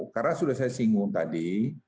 karena sudah saya singgung tadi